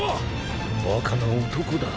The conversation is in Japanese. バカな男だ。